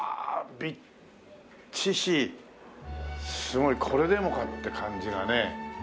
すごい！これでもかって感じがね。